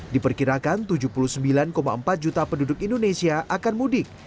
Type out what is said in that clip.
diperkirakan tujuh puluh sembilan empat juta penduduk indonesia akan mudik